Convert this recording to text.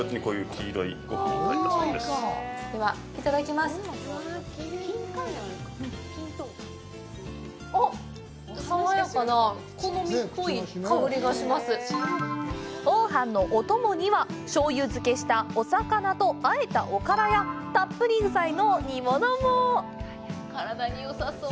黄飯のお供には醤油漬けした魚とあえたおからやたっぷり具材の煮物も！